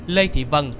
lê thị vân